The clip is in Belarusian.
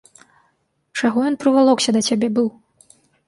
Чаго ён прывалокся да цябе быў?